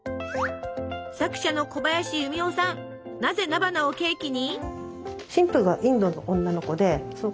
なぜ菜花をケーキに？